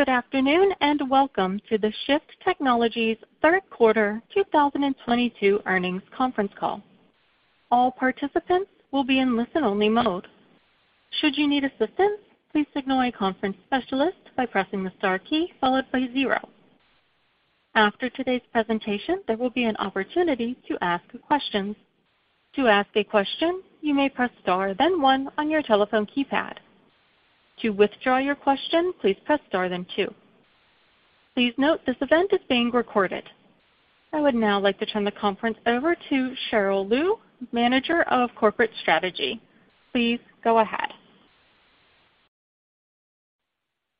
Good afternoon, and welcome to the Shift Technologies third quarter 2022 earnings conference call. All participants will be in listen-only mode. Should you need assistance, please signal a conference specialist by pressing the star key followed by 0. After today's presentation, there will be an opportunity to ask questions. To ask a question, you may press star then 1 on your telephone keypad. To withdraw your question, please press star then 2. Please note this event is being recorded. I would now like to turn the conference over to Cheryl Liu, Manager of Corporate Strategy. Please go ahead.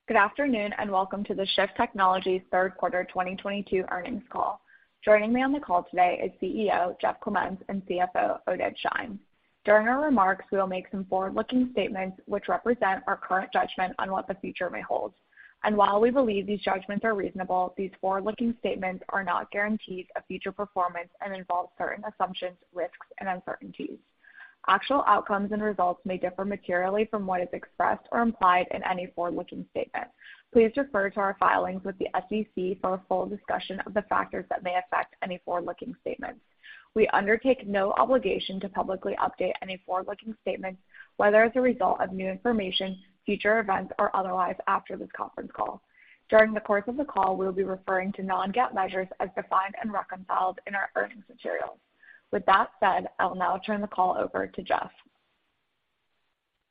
Good afternoon, and welcome to the Shift Technologies third quarter 2022 earnings call. Joining me on the call today is CEO Jeff Clementz and CFO Oded Shein. During our remarks, we will make some forward-looking statements which represent our current judgment on what the future may hold. While we believe these judgments are reasonable, these forward-looking statements are not guarantees of future performance and involve certain assumptions, risks, and uncertainties. Actual outcomes and results may differ materially from what is expressed or implied in any forward-looking statement. Please refer to our filings with the SEC for a full discussion of the factors that may affect any forward-looking statements. We undertake no obligation to publicly update any forward-looking statements, whether as a result of new information, future events, or otherwise after this conference call. During the course of the call, we'll be referring to non-GAAP measures as defined and reconciled in our earnings materials. With that said, I will now turn the call over to Jeff.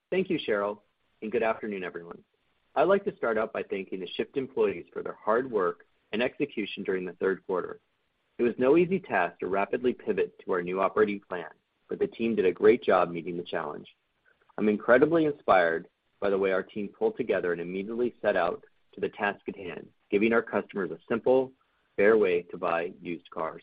Thank you, Cheryl, and good afternoon, everyone. I'd like to start out by thanking the Shift employees for their hard work and execution during the third quarter. It was no easy task to rapidly pivot to our new operating plan, but the team did a great job meeting the challenge. I'm incredibly inspired by the way our team pulled together and immediately set out to the task at hand, giving our customers a simple, fair way to buy used cars.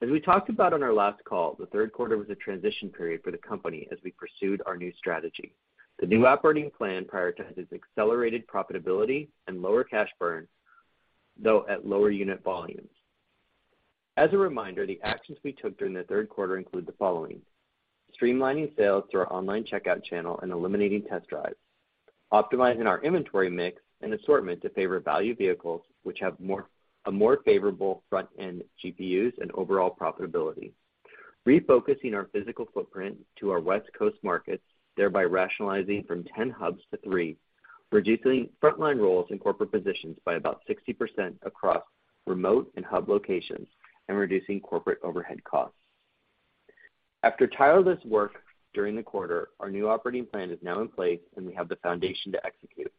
As we talked about on our last call, the third quarter was a transition period for the company as we pursued our new strategy. The new operating plan prioritizes accelerated profitability and lower cash burns, though at lower unit volumes. As a reminder, the actions we took during the third quarter include the following. Streamlining sales through our online checkout channel and eliminating test drives. Optimizing our inventory mix and assortment to favor value vehicles, which have a more favorable front-end GPUs and overall profitability. Refocusing our physical footprint to our West Coast markets, thereby rationalizing from 10 hubs to three. Reducing frontline roles and corporate positions by about 60% across remote and hub locations, and reducing corporate overhead costs. After tireless work during the quarter, our new operating plan is now in place and we have the foundation to execute.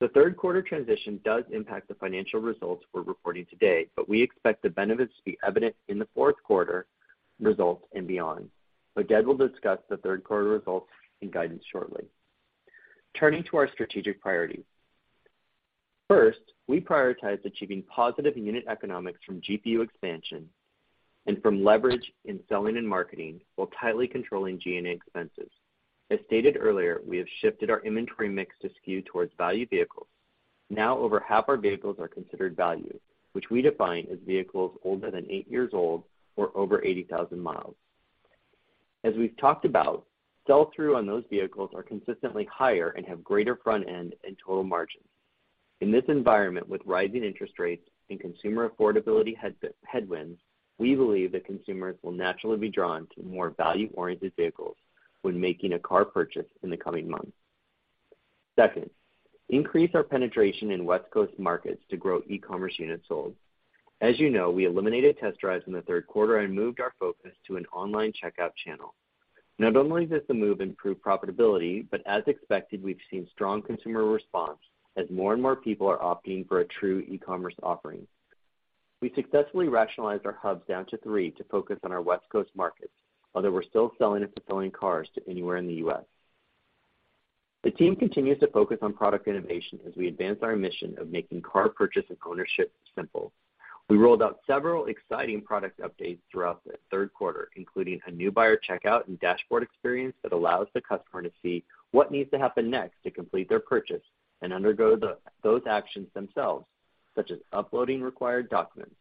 The third quarter transition does impact the financial results we're reporting today, but we expect the benefits to be evident in the fourth quarter results and beyond. Oded will discuss the third quarter results and guidance shortly. Turning to our strategic priorities. First, we prioritized achieving positive unit economics from GPU expansion and from leverage in selling and marketing while tightly controlling G&A expenses. As stated earlier, we have shifted our inventory mix to skew towards value vehicles. Now, over half our vehicles are considered value, which we define as vehicles older than 8 years old or over 80,000 miles. As we've talked about, sell-through on those vehicles are consistently higher and have greater front-end and total margins. In this environment with rising interest rates and consumer affordability headwinds, we believe that consumers will naturally be drawn to more value-oriented vehicles when making a car purchase in the coming months. Second, increase our penetration in West Coast markets to grow e-commerce units sold. As you know, we eliminated test drives in the third quarter and moved our focus to an online checkout channel. Not only does the move improve profitability, but as expected, we've seen strong consumer response as more and more people are opting for a true e-commerce offering. We successfully rationalized our hubs down to three to focus on our West Coast markets, although we're still selling and fulfilling cars to anywhere in the US. The team continues to focus on product innovation as we advance our mission of making car purchase and ownership simple. We rolled out several exciting product updates throughout the third quarter, including a new buyer checkout and dashboard experience that allows the customer to see what needs to happen next to complete their purchase and undergo those actions themselves, such as uploading required documents.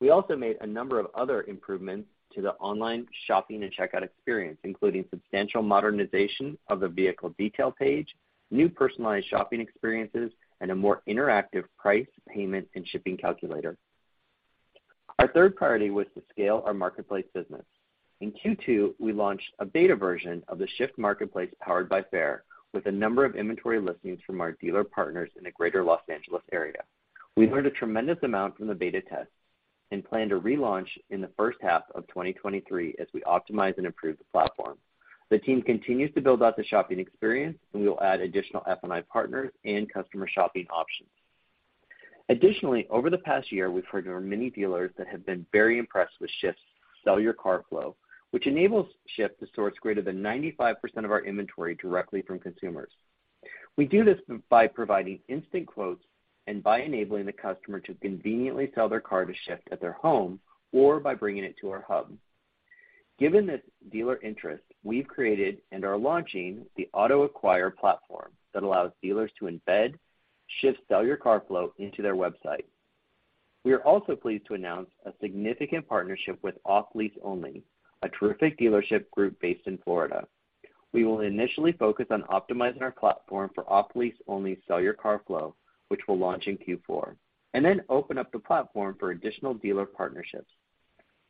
We also made a number of other improvements to the online shopping and checkout experience, including substantial modernization of the vehicle detail page, new personalized shopping experiences, and a more interactive price, payment, and shipping calculator. Our third priority was to scale our marketplace business. In Q2, we launched a beta version of the Shift Marketplace powered by Fair, with a number of inventory listings from our dealer partners in the Greater Los Angeles area. We learned a tremendous amount from the beta test and plan to relaunch in the first half of 2023 as we optimize and improve the platform. The team continues to build out the shopping experience, and we will add additional F&I partners and customer shopping options. Additionally, over the past year, we've heard from many dealers that have been very impressed with Shift's Sell Your Car flow, which enables Shift to source greater than 95% of our inventory directly from consumers. We do this by providing instant quotes and by enabling the customer to conveniently sell their car to Shift at their home or by bringing it to our hub. Given this dealer interest, we've created and are launching the AutoAcquire platform that allows dealers to embed Shift's Sell Your Car flow into their website. We are also pleased to announce a significant partnership with Off Lease Only, a terrific dealership group based in Florida. We will initially focus on optimizing our platform for Off Lease Only's Sell Your Car flow, which will launch in Q4, and then open up the platform for additional dealer partnerships.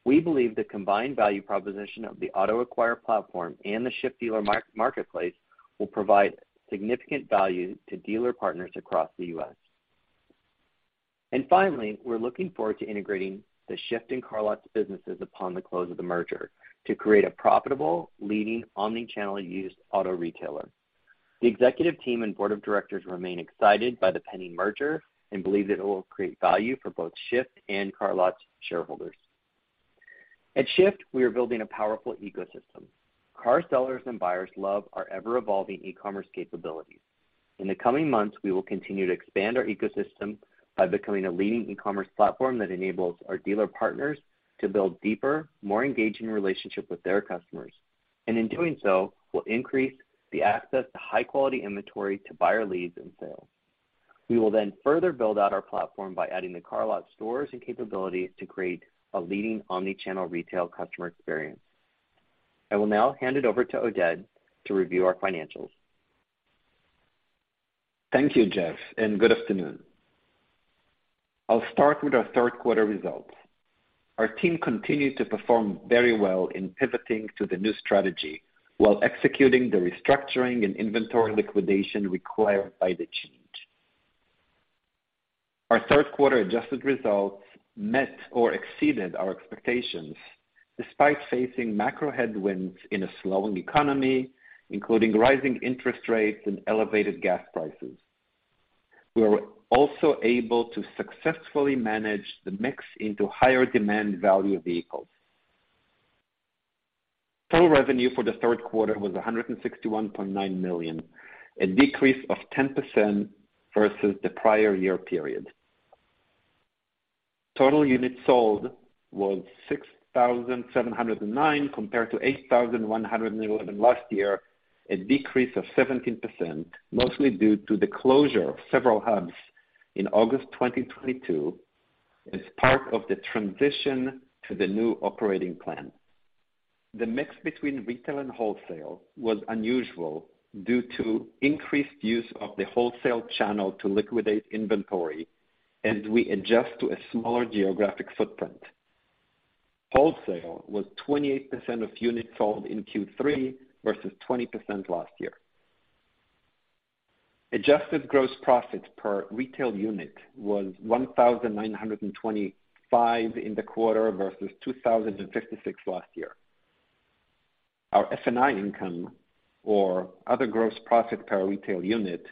We believe the combined value proposition of the AutoAcquire platform and the Shift Marketplace will provide significant value to dealer partners across the U.S. Finally, we're looking forward to integrating the Shift and CarLotz businesses upon the close of the merger to create a profitable, leading omni-channel used auto retailer. The executive team and board of directors remain excited by the pending merger and believe that it will create value for both Shift and CarLotz shareholders. At Shift, we are building a powerful ecosystem. Car sellers and buyers love our ever-evolving e-commerce capabilities. In the coming months, we will continue to expand our ecosystem by becoming a leading e-commerce platform that enables our dealer partners to build deeper, more engaging relationship with their customers, and in doing so, will increase the access to high quality inventory to buyer leads and sales. We will then further build out our platform by adding the CarLotz stores and capabilities to create a leading omni-channel retail customer experience. I will now hand it over to Oded to review our financials. Thank you, Jeff, and good afternoon. I'll start with our third quarter results. Our team continued to perform very well in pivoting to the new strategy while executing the restructuring and inventory liquidation required by the change. Our third quarter adjusted results met or exceeded our expectations despite facing macro headwinds in a slowing economy, including rising interest rates and elevated gas prices. We were also able to successfully manage the mix into higher demand value vehicles. Total revenue for the third quarter was $161.9 million, a decrease of 10% versus the prior year period. Total units sold was 6,709, compared to 8,111 last year, a decrease of 17%, mostly due to the closure of several hubs in August 2022 as part of the transition to the new operating plan. The mix between retail and wholesale was unusual due to increased use of the wholesale channel to liquidate inventory as we adjust to a smaller geographic footprint. Wholesale was 28% of units sold in Q3 versus 20% last year. Adjusted gross profit per retail unit was $1,925 in the quarter versus $2,056 last year. Our F&I income, or other gross profit per retail unit,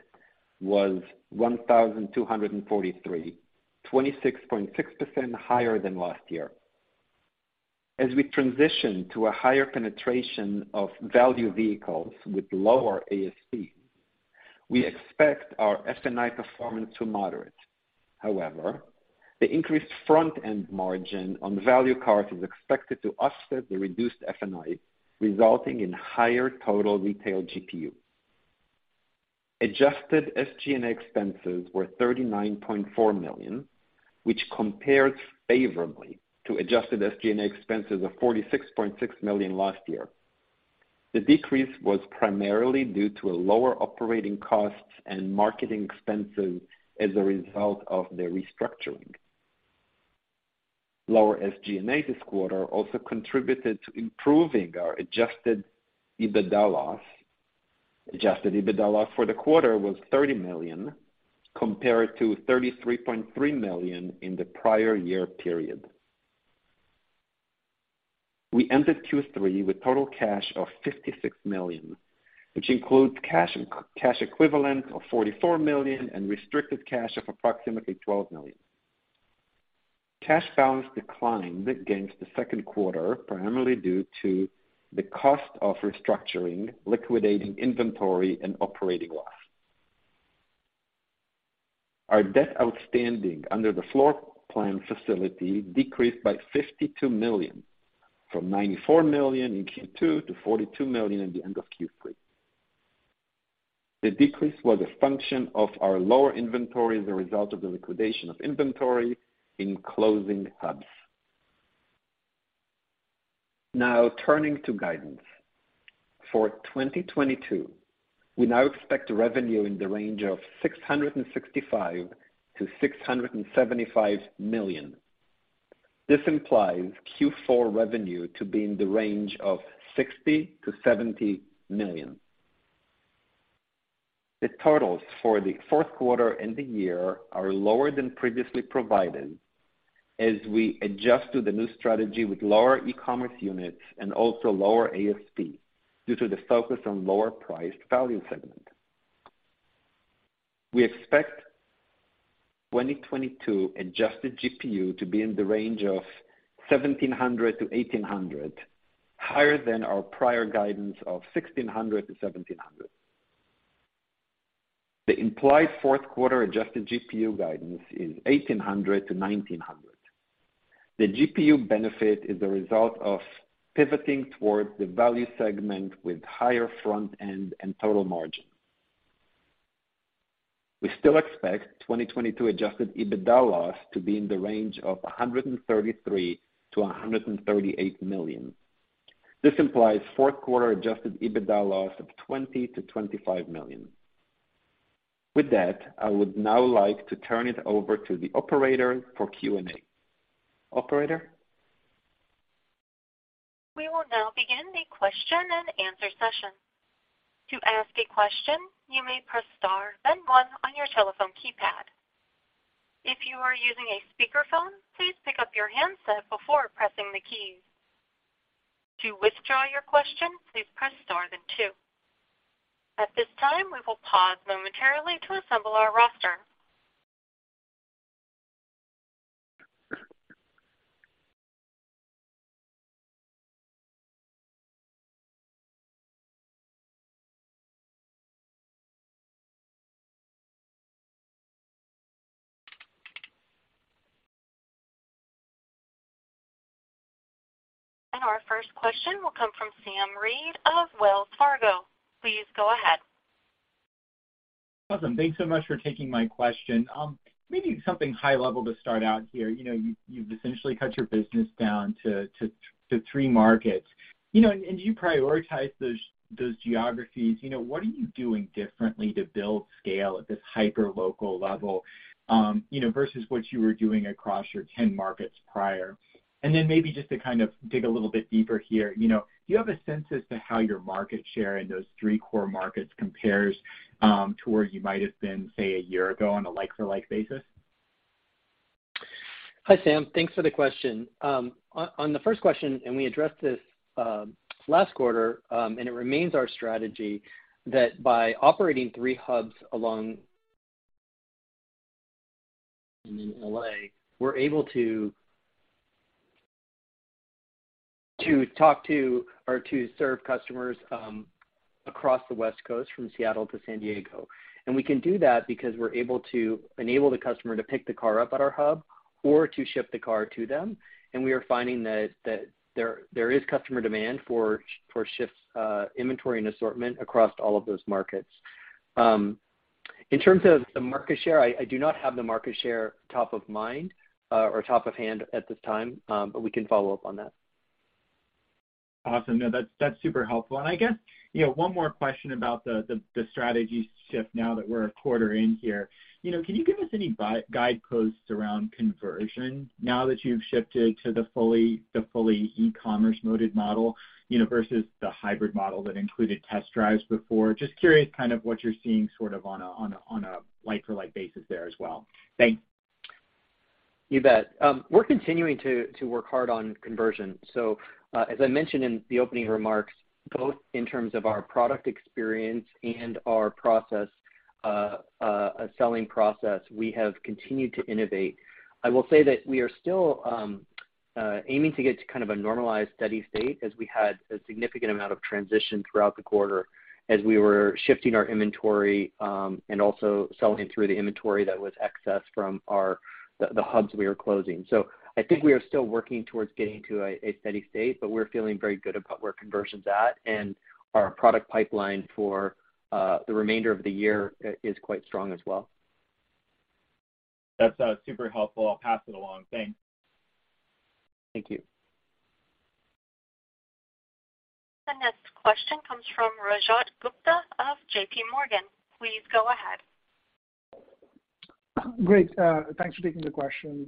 was $1,243, 26.6% higher than last year. As we transition to a higher penetration of value vehicles with lower ASP, we expect our F&I performance to moderate. However, the increased front-end margin on value cars is expected to offset the reduced F&I, resulting in higher total retail GPU. Adjusted SG&A expenses were $39.4 million, which compares favorably to adjusted SG&A expenses of $46.6 million last year. The decrease was primarily due to a lower operating cost and marketing expenses as a result of the restructuring. Lower SG&A this quarter also contributed to improving our adjusted EBITDA loss. Adjusted EBITDA loss for the quarter was $30 million, compared to $33.3 million in the prior year period. We ended Q3 with total cash of $56 million, which includes cash and cash equivalents of $44 million and restricted cash of approximately $12 million. Cash balance declined against the second quarter, primarily due to the cost of restructuring, liquidating inventory and operating loss. Our debt outstanding under the floor plan facility decreased by $52 million from $94 million in Q2 to $42 million at the end of Q3. The decrease was a function of our lower inventory as a result of the liquidation of inventory in closing hubs. Now turning to guidance. For 2022, we now expect revenue in the range of $665 million-$675 million. This implies Q4 revenue to be in the range of $60 million-$70 million. The totals for the fourth quarter and the year are lower than previously provided as we adjust to the new strategy with lower e-commerce units and also lower ASP due to the focus on lower priced value segment. We expect 2022 adjusted GPU to be in the range of $1,700-$1,800, higher than our prior guidance of $1,600-$1,700. The implied fourth quarter adjusted GPU guidance is $1,800-$1,900. The GPU benefit is a result of pivoting towards the value segment with higher front end and total margin. We still expect 2022 adjusted EBITDA loss to be in the range of $133 million-$138 million. This implies fourth quarter adjusted EBITDA loss of $20 million-$25 million. With that, I would now like to turn it over to the operator for Q&A. Operator? We will now begin the question and answer session. To ask a question, you may press star then one on your telephone keypad. If you are using a speakerphone, please pick up your handset before pressing the keys. To withdraw your question, please press star then two. At this time, we will pause momentarily to assemble our roster. Our first question will come from Sam Reid of Wells Fargo. Please go ahead. Awesome. Thanks so much for taking my question. Maybe something high level to start out here. You know, you've essentially cut your business down to three markets, you know, and you prioritize those geographies. You know, what are you doing differently to build scale at this hyperlocal level, you know, versus what you were doing across your 10 markets prior? Maybe just to kind of dig a little bit deeper here, you know, do you have a sense as to how your market share in those three core markets compares to where you might have been, say, a year ago on a like-for-like basis? Hi, Sam. Thanks for the question. On the first question, we addressed this last quarter, and it remains our strategy that by operating three hubs along L.A., we're able to talk to or serve customers across the West Coast from Seattle to San Diego. We can do that because we're able to enable the customer to pick the car up at our hub or to ship the car to them. We are finding that there is customer demand for Shift's inventory and assortment across all of those markets. In terms of the market share, I do not have the market share top of mind or top of head at this time, but we can follow up on that. Awesome. No, that's super helpful. I guess, you know, one more question about the strategy shift now that we're a quarter in here. You know, can you give us any guideposts around conversion now that you've shifted to the fully e-commerce model, you know, versus the hybrid model that included test drives before? Just curious kind of what you're seeing sort of on a like-for-like basis there as well. Thanks. You bet. We're continuing to work hard on conversion. As I mentioned in the opening remarks, both in terms of our product experience and our selling process, we have continued to innovate. I will say that we are still aiming to get to kind of a normalized steady state as we had a significant amount of transition throughout the quarter as we were shifting our inventory and also selling through the inventory that was excess from the hubs we were closing. I think we are still working towards getting to a steady state, but we're feeling very good about where conversion's at and our product pipeline for the remainder of the year is quite strong as well. That's super helpful. I'll pass it along. Thanks. Thank you. The next question comes from Rajat Gupta of J.P. Morgan. Please go ahead. Great. Thanks for taking the question.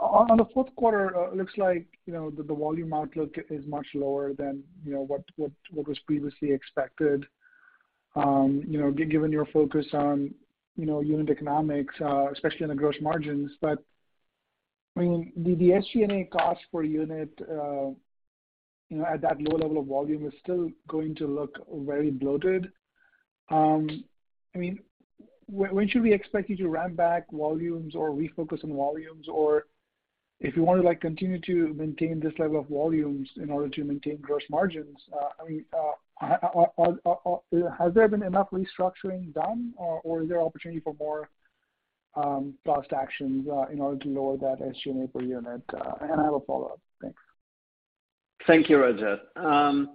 On the fourth quarter, looks like, you know, the volume outlook is much lower than, you know, what was previously expected, you know, given your focus on, you know, unit economics, especially on the gross margins. I mean, the SG&A cost per unit, you know, at that low level of volume is still going to look very bloated. I mean, when should we expect you to ramp back volumes or refocus on volumes? Or if you wanna, like, continue to maintain this level of volumes in order to maintain gross margins, I mean, has there been enough restructuring done or is there opportunity for more cost actions in order to lower that SG&A per unit? I have a follow-up. Thanks. Thank you, Rajat.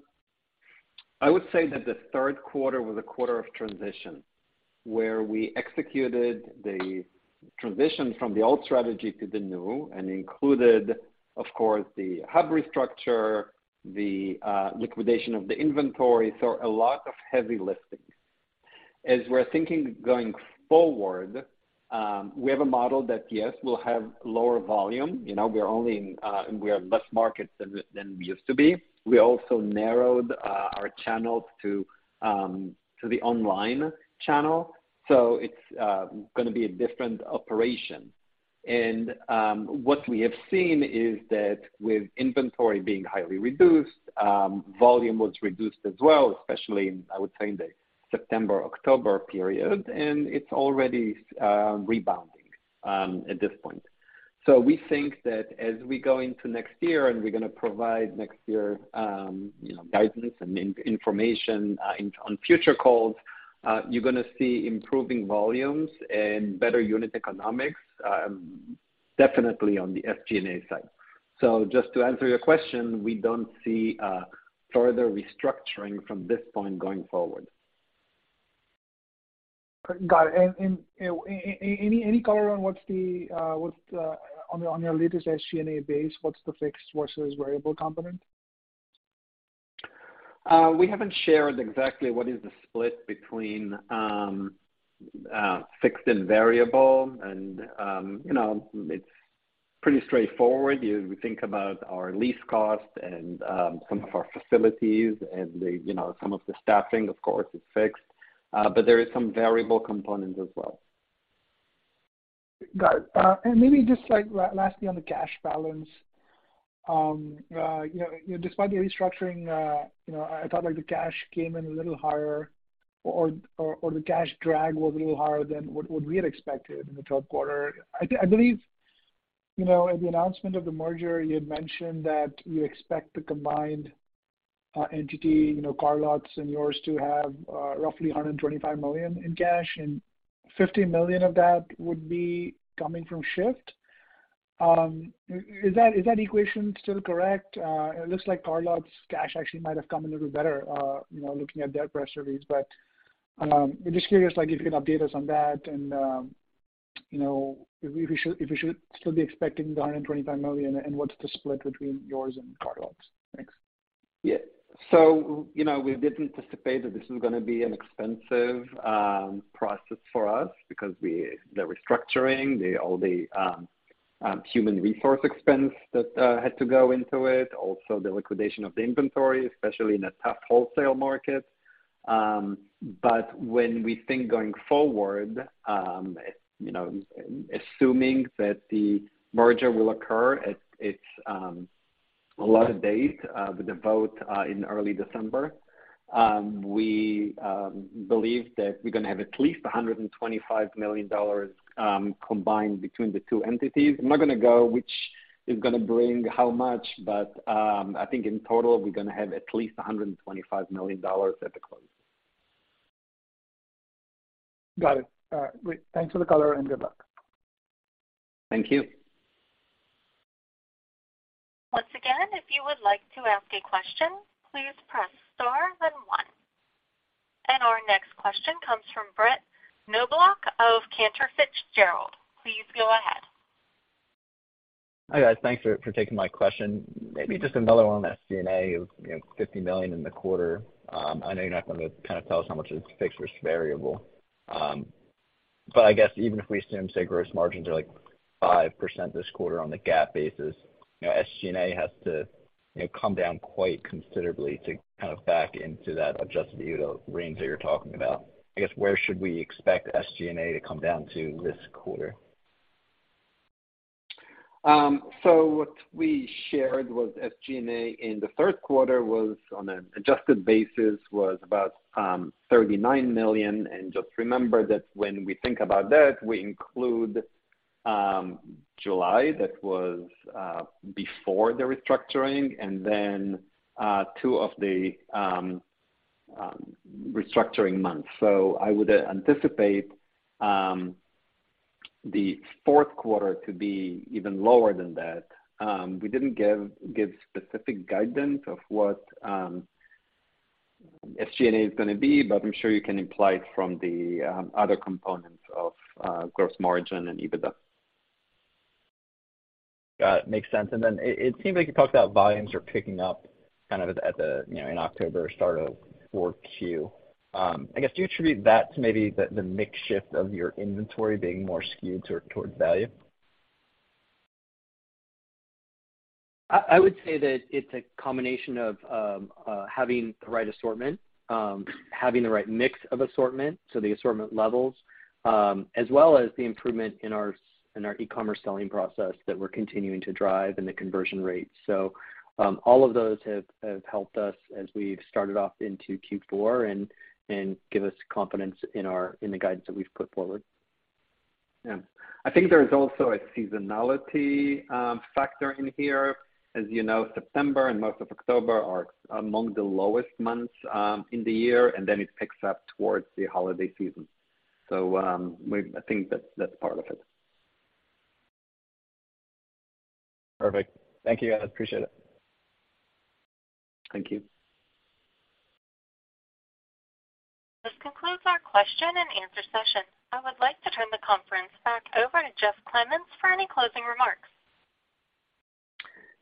I would say that the third quarter was a quarter of transition, where we executed the transition from the old strategy to the new and included, of course, the hub restructure, the liquidation of the inventory, so a lot of heavy lifting. As we're thinking going forward, we have a model that, yes, we'll have lower volume. You know, we are in less markets than we used to be. We also narrowed our channels to the online channel. It's gonna be a different operation. What we have seen is that with inventory being highly reduced, volume was reduced as well, especially I would say in the September-October period, and it's already rebounding at this point. We think that as we go into next year and we're gonna provide next year, you know, guidance and information on future calls, you're gonna see improving volumes and better unit economics, definitely on the SG&A side. Just to answer your question, we don't see further restructuring from this point going forward. Got it. Any color on your latest SG&A base, what's the fixed versus variable component? We haven't shared exactly what is the split between fixed and variable, and you know, it's pretty straightforward. We think about our lease cost and some of our facilities and you know, some of the staffing, of course, is fixed. There is some variable components as well. Got it. Maybe just like lastly on the cash balance. You know, despite the restructuring, you know, I thought like the cash came in a little higher or the cash drag was a little higher than what we had expected in the third quarter. I believe, you know, at the announcement of the merger, you had mentioned that you expect the combined entity, you know, CarLotz and yours to have roughly $125 million in cash, and $50 million of that would be coming from Shift. Is that equation still correct? It looks like CarLotz cash actually might have come a little better, you know, looking at their press release. I'm just curious, like if you can update us on that and, you know, if we should still be expecting the $125 million and what's the split between yours and CarLotz. Thanks. Yeah. You know, we did anticipate that this is gonna be an expensive process for us because the restructuring, all the human resource expense that had to go into it, also the liquidation of the inventory, especially in a tough wholesale market. When we think going forward, you know, assuming that the merger will occur at its allotted date with the vote in early December, we believe that we're gonna have at least $125 million combined between the two entities. I'm not gonna go which is gonna bring how much, but I think in total, we're gonna have at least $125 million at the close. Got it. All right. Great. Thanks for the color and good luck. Thank you. Once again, if you would like to ask a question, please press star then one. Our next question comes from Brett Knoblauch of Cantor Fitzgerald. Please go ahead. Hi, guys. Thanks for taking my question. Maybe just another one on SG&A of $50 million in the quarter. I know you're not going to kinda tell us how much is fixed versus variable. But I guess even if we assume, say, gross margins are like 5% this quarter on the GAAP basis, you know, SG&A has to come down quite considerably to kind of back into that adjusted EBITDA range that you're talking about. I guess where should we expect SG&A to come down to this quarter? What we shared was SG&A in the third quarter was on an adjusted basis was about $39 million. Just remember that when we think about that, we include July, that was before the restructuring and then two of the restructuring months. I would anticipate the fourth quarter to be even lower than that. We didn't give give specific guidance of what SG&A is gonna be, but I'm sure you can imply it from the other components of gross margin and EBITDA. Got it. Makes sense. It seems like you talked about volumes are picking up kind of at the, you know, in October or start of 4Q. I guess do you attribute that to maybe the mix shift of your inventory being more skewed towards value? I would say that it's a combination of having the right assortment, having the right mix of assortment, so the assortment levels, as well as the improvement in our e-commerce selling process that we're continuing to drive and the conversion rate. All of those have helped us as we've started off into Q4 and give us confidence in the guidance that we've put forward. Yeah. I think there is also a seasonality factor in here. As you know, September and most of October are among the lowest months in the year, and then it picks up towards the holiday season. I think that's part of it. Perfect. Thank you, guys. Appreciate it. Thank you. This concludes our question and answer session. I would like to turn the conference back over to Jeff Clementz for any closing remarks.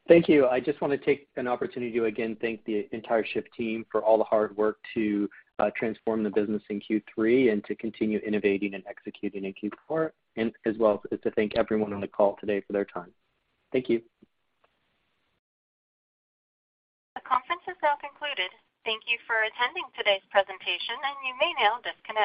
Thank you. I just wanna take an opportunity to again thank the entire Shift team for all the hard work to transform the business in Q3 and to continue innovating and executing in Q4 and as well as to thank everyone on the call today for their time. Thank you. The conference is now concluded. Thank you for attending today's presentation, and you may now disconnect.